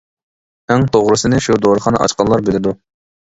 ئەڭ توغرىسىنى شۇ دورىخانا ئاچقانلا بىلىدۇ.